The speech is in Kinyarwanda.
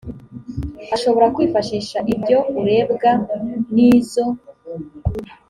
ashobora kwifashisha ibyo urebwa n izo